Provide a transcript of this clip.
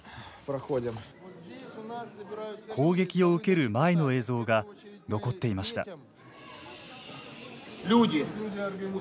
攻撃を受ける前の映像が残っていました。